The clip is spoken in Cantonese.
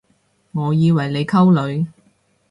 我以為你溝女